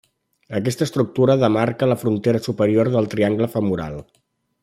Aquesta estructura demarca la frontera superior del triangle femoral.